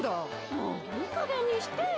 もういいかげんにしてよ。